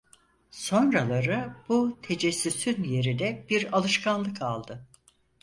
Sonraları bu tecessüsün yerini bir alışkanlık aldı.